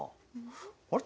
あれ？